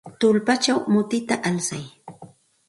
Tullpachaw mutita alsay.